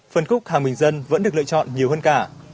phân khúc hàng bình dân vẫn được lựa chọn nhiều hơn cả